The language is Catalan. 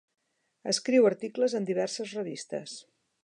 Escriu articles en diverses revistes.